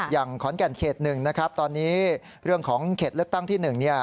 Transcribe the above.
อย่างขอนแก่นเขต๑นะครับตอนนี้เรื่องของเขตเลือกตั้งที่๑